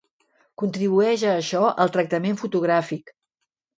Contribueix a això el tractament fotogràfic.